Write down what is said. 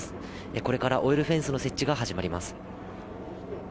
これからオイルフェンスの設置が始まります。